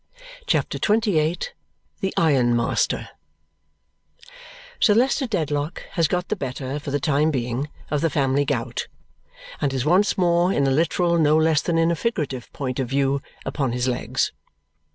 CHAPTER XXVIII The Ironmaster Sir Leicester Dedlock has got the better, for the time being, of the family gout and is once more, in a literal no less than in a figurative point of view, upon his legs.